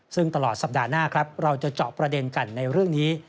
ซึ่งตลอดสัปดาห์หน้าครับเราจะเจาะประเด็นกันในเรื่องนี้